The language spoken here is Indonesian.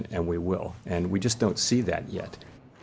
dan kita tidak melihatnya lagi